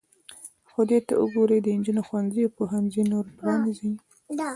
خدای ته وګورئ د نجونو ښوونځي او پوهنځي نور پرانیزئ.